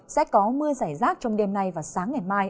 sẽ có mưa giải rác trong đêm nay và sáng ngày mai